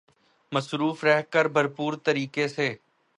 مصروف رہ کر بھرپور طریقے سے